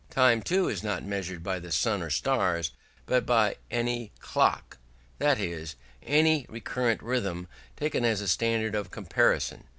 Time, too, is not measured by the sun or stars, but by any "clock" that is, by any recurrent rhythm taken as a standard of comparison.